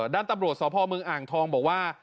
ด้านตำรวจสพเมืองอ่างทองบอกว่า